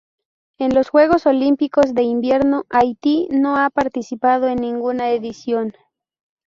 En los Juegos Olímpicos de Invierno Haití no ha participado en ninguna edición.